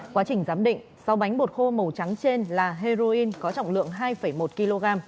quá trình giám định sáu bánh bột khô màu trắng trên là heroin có trọng lượng hai một kg